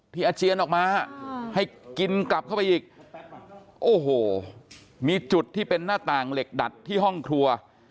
อาเจียนออกมาให้กินกลับเข้าไปอีกโอ้โหมีจุดที่เป็นหน้าต่างเหล็กดัดที่ห้องครัว